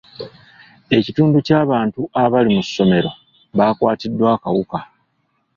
Ekitundu ky'abantu abali mu ssomero bakwatiddwa akawuka.